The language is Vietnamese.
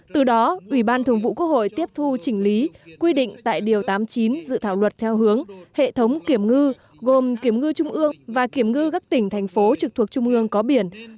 từ đó ủy ban thường vụ quốc hội tiếp thu chỉnh lý quy định tại điều tám mươi chín dự thảo luật theo hướng hệ thống kiểm ngư gồm kiểm ngư trung ương và kiểm ngư các tỉnh thành phố trực thuộc trung ương có biển